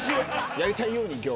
やりたいように。